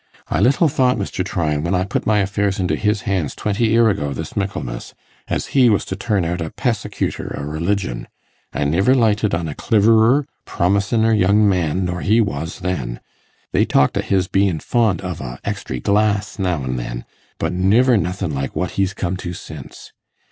I little thought, Mr. Tryan, when I put my affairs into his hands twenty 'ear ago this Michaelmas, as he was to turn out a pessecutor o' religion. I niver lighted on a cliverer, promisiner young man nor he was then. They talked of his bein' fond of a extry glass now an' then, but niver nothin' like what he's come to since.